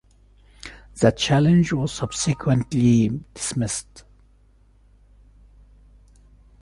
The challenge was subsequently dismissed.